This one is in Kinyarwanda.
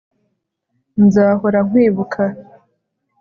Nzahora nkwibuka